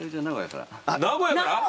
名古屋から？